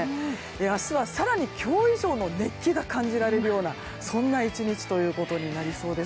明日は更に今日以上の熱気が感じられるようなそんな１日となりそうです。